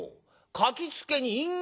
書きつけに印形」。